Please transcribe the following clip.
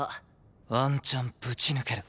ワンチャンぶち抜ける。